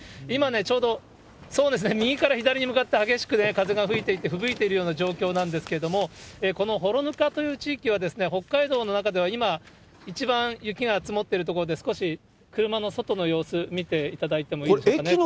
今ね、ちょうど、右から左に向かって激しく風が吹いていて、ふぶいているような状況なんですけれども、この幌糠という地域は、北海道の中では今一番、雪が積もってる所で、少し車の外の様子、見ていただいてもいいでしょうかね。